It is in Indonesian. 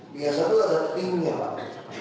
biasa itu ada timnya pak